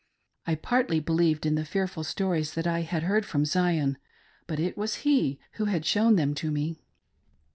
I partly believed in the fearful stories that I had heard from Zion, but it was he who had shown them to me.